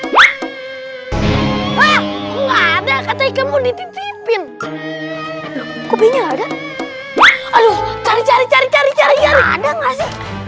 hah enggak ada kata ikanmu dititipin kopinya ada aduh cari cari cari cari cari ada enggak sih